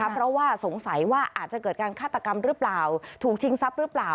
เพราะว่าสงสัยว่าอาจจะเกิดการฆาตกรรมหรือเปล่าถูกชิงทรัพย์หรือเปล่า